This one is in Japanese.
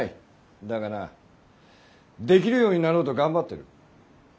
だがなできるようになろうと頑張ってる。